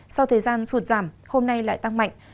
sau thời gian sụt giảm hôm nay lại tăng mạnh